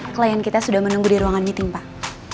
klien kita sudah menunggu di ruangan meeting pak